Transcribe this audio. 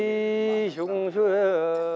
đó là chân thiện mỹ